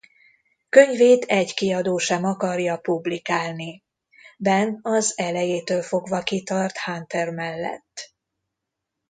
Könyvét egy kiadó sem akarja publikálni. Ben az elejétől fogva kitart Hunter mellett.